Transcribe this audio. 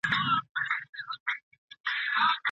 روغتیایي احصائیه څه ښیي؟